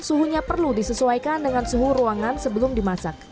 suhunya perlu disesuaikan dengan suhu ruangan sebelum dimasak